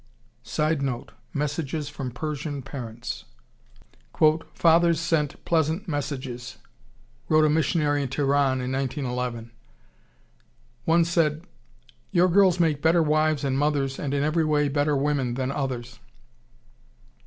[Sidenote: Messages from Persian parents.] "Fathers sent pleasant messages," wrote a missionary in Teheran in 1911. "One said, 'Your girls make better wives and mothers and in every way better women, than others.